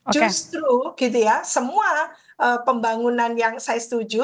justru semua pembangunan yang saya setuju